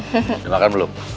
udah makan belum